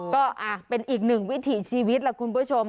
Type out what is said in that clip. ก็เป็นอีกหนึ่งวิถีชีวิตล่ะคุณผู้ชม